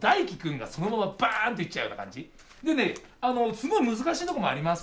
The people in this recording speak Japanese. すごい難しいとこもあります。